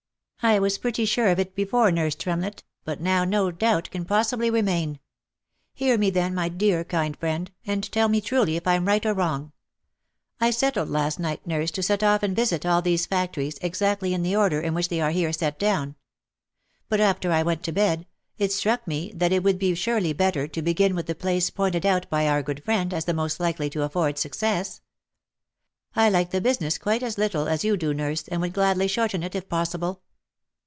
" I was pretty sure of it before, nurse Tremlett, but now no doubt can possibly remain. Hear me, then, my dear kind friend, and tell me truly if I am right or wrong. I settled last night, nurse, to set off and visit all these factories exactly in the order in which they are here set down. But, after I went to bed, it struck me that it would be surely better to begin with the place pointed out by our good friend as the most likely to afford success. I like the business quite as little as you do, nurse, and would gladly shorten it, if possible."